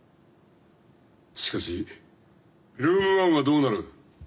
しかしルーム１はどうなる。